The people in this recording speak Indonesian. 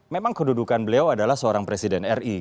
memang kedudukan beliau adalah seorang presiden ri